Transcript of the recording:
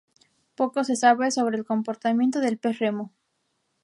Poco se sabe sobre el comportamiento del pez remo.